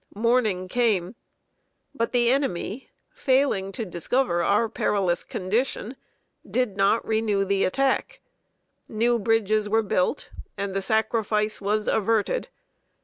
Morning came, but the enemy, failing to discover our perilous condition, did not renew the attack; new bridges were built, and the sacrifice was averted.